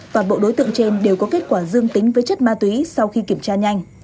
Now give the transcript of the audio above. toàn bộ đối tượng trên đều có kết quả dương tính với chất ma túy sau khi kiểm tra nhanh